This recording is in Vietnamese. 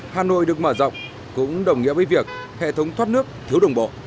hà nội được mở rộng cũng đồng nghĩa với việc hệ thống thoát nước thiếu đồng bộ